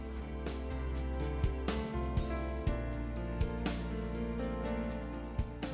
kekiai haji ahmad yazid wafat pada usia tujuh puluh delapan tahun pada usia seribu sembilan ratus sembilan puluh sembilan